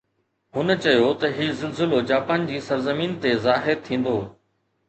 هن چيو ته هي زلزلو جاپان جي سرزمين تي ظاهر ٿيندو.